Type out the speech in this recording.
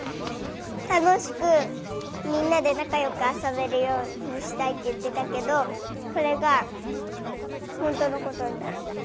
たのしくみんなでなかよくあそべるようにしたいっていってたけどそれがほんとのことになった。